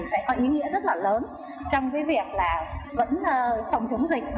sẽ có ý nghĩa rất là lớn trong việc vẫn không chống dịch